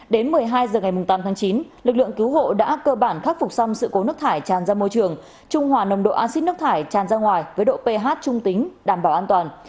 đến một mươi hai h ngày tám tháng chín lực lượng cứu hộ đã cơ bản khắc phục xong sự cố nước thải tràn ra môi trường trung hòa nồng độ acid nước thải tràn ra ngoài với độ ph trung tính đảm bảo an toàn